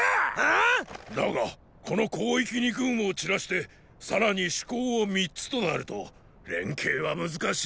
あァ⁉だがこの広域に軍を散らしてさらに主攻を三つとなると連携は難しいぞ。